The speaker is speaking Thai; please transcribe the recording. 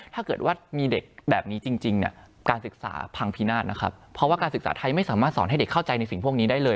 ถ้าเกิดว่ามีเด็กแบบนี้จริงเนี่ยการศึกษาพังพินาศนะครับเพราะว่าการศึกษาไทยไม่สามารถสอนให้เด็กเข้าใจในสิ่งพวกนี้ได้เลย